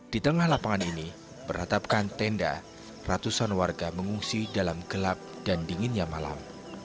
di tengah lapangan ini beratapkan tenda ratusan warga mengungsi dalam gelap dan dinginnya malam